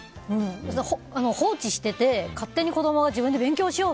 放置してて勝手に子供が勉強しよう！